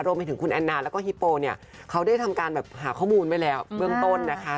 รวมไปถึงคุณแอนนาแล้วก็ฮิปโปเนี่ยเขาได้ทำการแบบหาข้อมูลไว้แล้วเบื้องต้นนะคะ